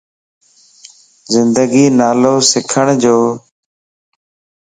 زندگي نالو سکڻ جو